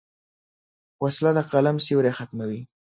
وسله د قلم سیوری ختموي